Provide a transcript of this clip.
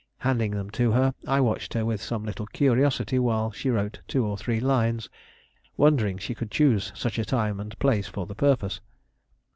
Handing them to her, I watched her with some little curiosity while she wrote two or three lines, wondering she could choose such a time and place for the purpose.